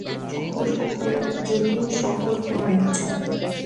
যদিও সকল কোরআন কে মেনে চলে।